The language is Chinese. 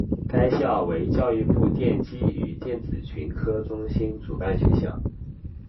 该校为教育部电机与电子群科中心主办学校。